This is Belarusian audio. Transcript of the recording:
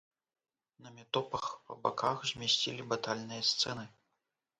На метопах па баках змясцілі батальныя сцэны.